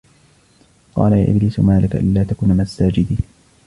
قال يا إبليس ما لك ألا تكون مع الساجدين